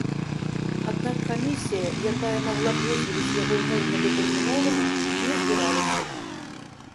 Аднак камісія, якая магла б вызваліць яго ўмоўна-датэрмінова, не збіралася.